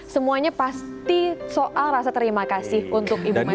semuanya pasti soal rasa terima kasih untuk ibu mega